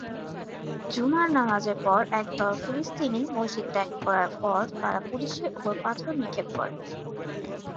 জুমার নামাজের পর একদল ফিলিস্তিনি মসজিদ ত্যাগ করার পর তারা পুলিশের উপর পাথর নিক্ষেপ করে।